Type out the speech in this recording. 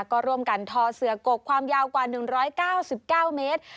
ก็ร่วมกันทอเสือกกความยาวกว่า๑๙๙เมตร